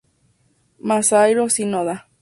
Masahiro Shinoda